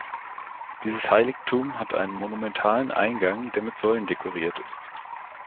Dieses Heiligtum hat einen monumentalen Eingang, der mit Säulen dekoriert ist.